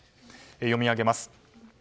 読み上げます。